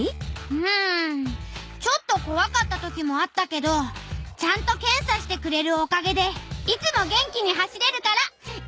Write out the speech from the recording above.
うんちょっとこわかったときもあったけどちゃんとけんさしてくれるおかげでいつも元気に走れるから今は大すき！